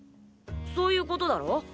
そういうことだろ？